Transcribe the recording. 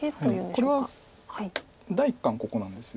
これは第一感ここなんです。